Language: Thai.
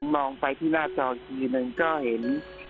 มองไปที่หน้าจออีกทีหนึ่งก็เห็น